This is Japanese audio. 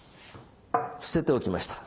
伏せておきました。